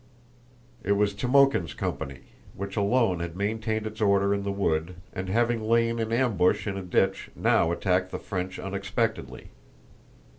It was Timókhin's company, which alone had maintained its order in the wood and, having lain in ambush in a ditch, now attacked the French unexpectedly.